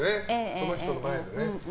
その人の前でね。